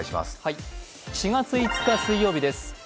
４月５日水曜日です。